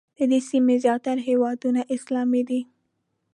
د دې سیمې زیاتره هېوادونه اسلامي دي.